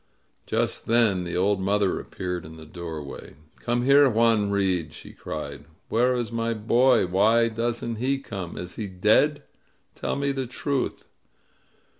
Just then the old mother appeared in the doorway. "Come here, Juan Reed," she cried. "Where is my boy? Why doesn't he come? Is he dead? Tell me the truth!"